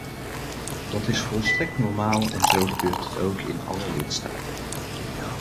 Dat is volstrekt normaal en zo gebeurt het ook in alle lidstaten.